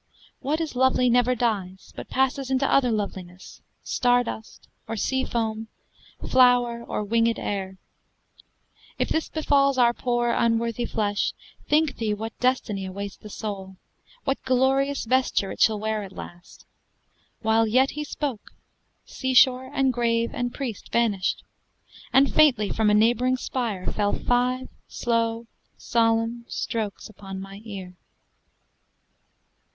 What is lovely never dies, But passes into other loveliness, Star dust, or sea foam, flower, or wingèd air. If this befalls our poor unworthy flesh, Think thee what destiny awaits the soul! What glorious vesture it shall wear at last!" While yet he spoke, seashore and grave and priest Vanished, and faintly from a neighboring spire Fell five slow solemn strokes upon my ear.